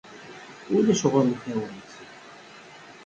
Ulac ɣur-m tawant.